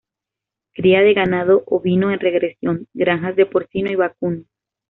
Cría de ganado ovino en regresión, granjas de porcino y vacuno.